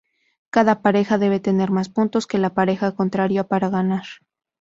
Cada pareja debe tener más puntos que la pareja contraria para ganar.